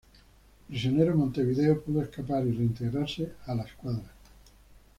Prisionero en Montevideo pudo escapar y reintegrarse a a escuadra.